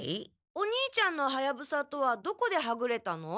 お兄ちゃんのはやぶさとはどこではぐれたの？